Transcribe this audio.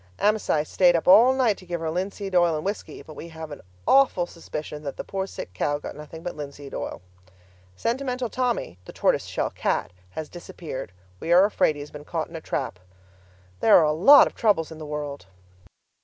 Amasai stayed up all night to give her linseed oil and whisky. But we have an awful suspicion that the poor sick cow got nothing but linseed oil. Sentimental Tommy (the tortoise shell cat) has disappeared; we are afraid he has been caught in a trap. There are lots of troubles in the world!